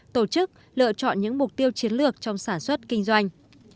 tổ chức lựa chọn những mục tiêu chiến lược trong sản xuất kinh doanh